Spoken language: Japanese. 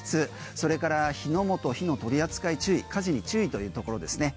それから火の取り扱いに注意火事に注意というところですね。